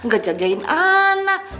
gak jagain anak